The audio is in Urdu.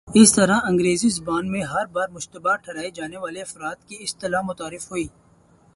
اس طرح انگریزی زبان میں ''ہر بار مشتبہ ٹھہرائے جانے والے افراد "کی اصطلاح متعارف ہوئی۔